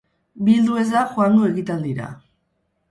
Bildu ez da joango ekitaldira.